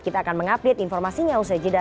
kita akan mengupdate informasinya usai jeda